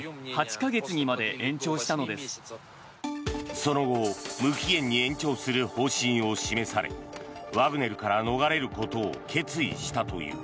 その後無期限に延長する方針を示されワグネルから逃れることを決意したという。